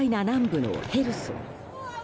南部のヘルソン。